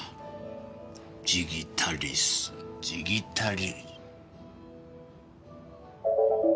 ジギタリスジギタリ。